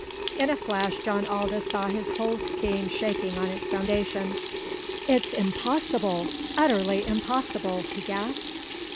In a flash John Aldous saw his whole scheme shaking on its foundation. "It's impossible utterly impossible!" he gasped.